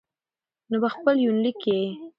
نو په خپل يونليک کې يې